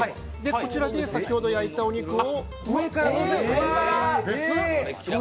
こちらで先ほど焼いたお肉を。